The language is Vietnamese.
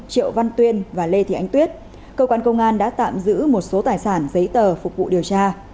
triệu văn tuyên và lê thị ánh tuyết cơ quan công an đã tạm giữ một số tài sản giấy tờ phục vụ điều tra